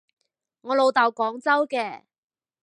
我老豆廣州嘅